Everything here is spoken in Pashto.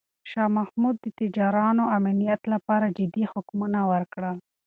شاه محمود د تجارانو د امنیت لپاره جدي حکمونه ورکړل.